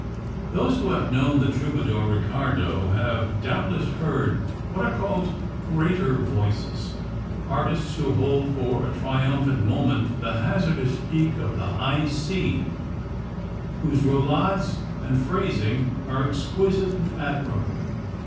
Those who have known the troubadour Riccardo have doubtless heard what are called greater voices, artists who hold for a triumphant moment the hazardous peak of the high C, whose roulades and phrasing are exquisite and admirable.